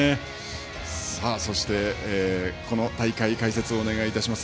そして、この大会解説をお願いしています